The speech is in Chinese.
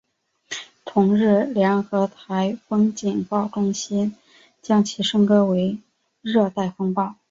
同日联合台风警报中心将其升格为热带风暴。